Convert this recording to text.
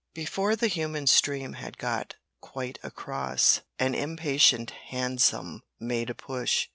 Before the human stream had got quite across, an impatient hansom made a push.